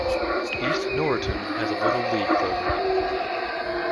East Norriton has a little league program.